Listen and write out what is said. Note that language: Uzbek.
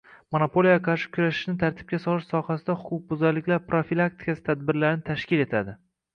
monopoliyaga qarshi kurashishni tartibga solish sohasida huquqbuzarliklar profilaktikasi tadbirlarini tashkil etadi